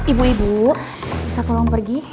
ibu ibu bisa tolong pergi